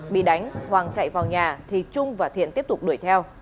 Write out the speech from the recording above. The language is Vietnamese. bị đánh hoàng chạy vào nhà thì trung và thiện tiếp tục đuổi theo